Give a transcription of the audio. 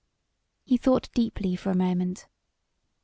He thought deeply for a moment.